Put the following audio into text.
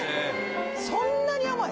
そんなに甘い？